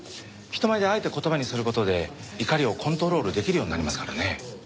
人前であえて言葉にする事で怒りをコントロールできるようになりますからね。